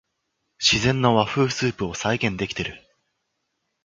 自然な和風スープを再現できてる